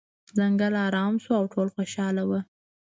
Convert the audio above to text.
ځنګل ارامه شو او ټول خوشحاله وو.